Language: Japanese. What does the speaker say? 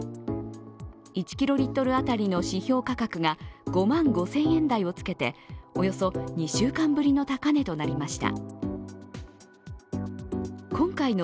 １キロリットル当たりの指標価格が５万５０００円台をつけておよそ２週間ぶりの高値となりました。